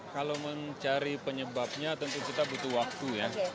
kalau mencari penyebabnya tentu kita butuh waktu ya